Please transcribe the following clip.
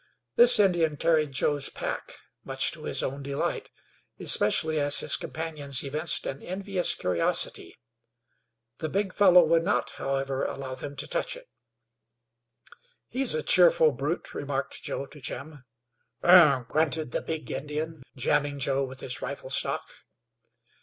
This Indian carried Joe's pack, much to his own delight, especially as his companions evinced an envious curiosity. The big fellow would not, however, allow them to touch it. "He's a cheerful brute," remarked Joe to Jim. "Ugh!" grunted the big Indian, jamming Joe with his rifle stock.